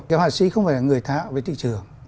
những họa sĩ không phải là người thạo về thị trường